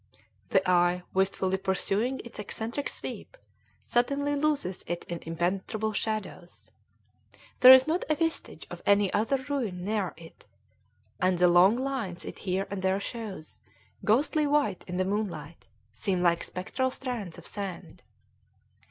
The eye, wistfully pursuing its eccentric sweep, suddenly loses it in impenetrable shadows. There is not a vestige of any other ruin near it, and the long lines it here and there shows, ghostly white in the moonlight, seem like spectral strands of sand.